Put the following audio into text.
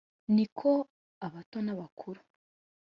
niko abato n'abakuru